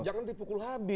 jangan dipukul habis